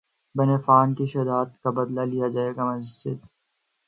بن Affan کی شہادت کا بدلہ لیا جائے گا مسجد